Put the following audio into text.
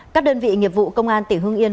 các đơn vị nghiệp vụ công an tỉnh hương yên